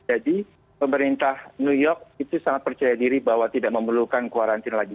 jadi pemerintah new york itu sangat percaya diri bahwa tidak memerlukan kuarantin lagi